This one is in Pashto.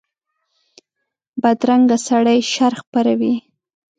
بدرنګه سړي شر خپروي